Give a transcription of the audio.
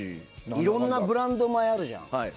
いろんなブランド米あるじゃん。